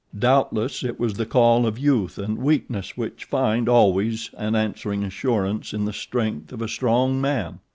Doubtless it was the call of youth and weakness which find, always, an answering assurance in the strength of a strong man.